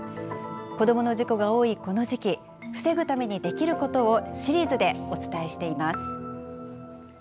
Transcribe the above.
子どもの事故が多いこの時期、防ぐためにできることをシリーズでお伝えしています。